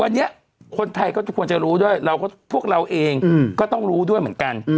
วันนี้คนไทยก็ทุกคนจะรู้ด้วยพวกเราเองก็ต้องรู้ด้วยเหมือนกัน